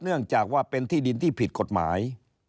เนื่องจากว่าเป็นที่ดินที่ผิดกฎหมาย